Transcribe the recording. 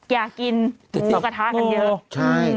อยากกินหมูสักกระทะกันเยอะ